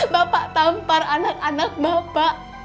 bapak tampar anak anak bapak